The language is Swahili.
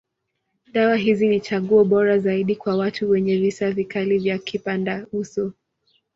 Dawa hizi ni chaguo bora zaidi kwa watu wenye visa vikali ya kipandauso.